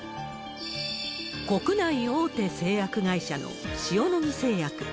国内大手製薬会社の塩野義製薬。